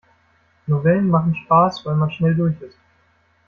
Novellen machen Spaß, weil man schnell durch ist.